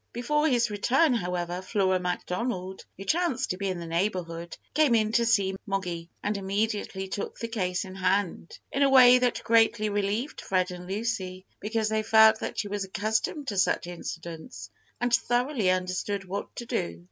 Before his return, however, Flora Macdonald, who chanced to be in the neighbourhood, came in to see Moggy, and immediately took the case in hand, in a way that greatly relieved Fred and Lucy, because they felt that she was accustomed to such incidents, and thoroughly understood what to do.